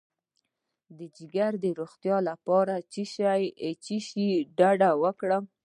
د ځیګر د روغتیا لپاره له څه شي ډډه وکړم؟